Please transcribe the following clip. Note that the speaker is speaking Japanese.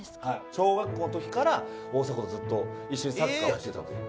小学校の時から大迫とずっと一緒にサッカーをしてたという。